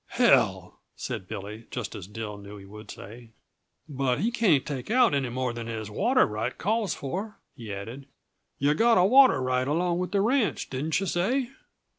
"Hell!" said Billy, just as Dill knew he would say. "But he can't take out any more than his water right calls for," he added. "Yuh got a water right along with the ranch, didn't yuh say?"